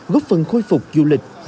góp phần khôi phục du lịch